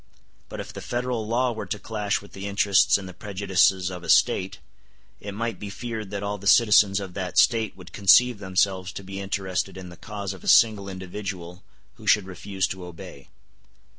But if the Federal law were to clash with the interests and the prejudices of a State, it might be feared that all the citizens of that State would conceive themselves to be interested in the cause of a single individual who should refuse to obey.